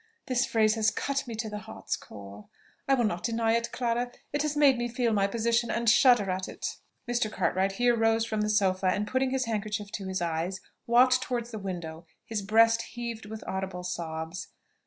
This phrase has cut me to the heart's core, I will not deny it, Clara: it has made me feel my position, and shudder at it." Mr. Cartwright here rose from the sofa, and putting his handkerchief to his eyes, walked towards the window: his breast heaved with audible sobs.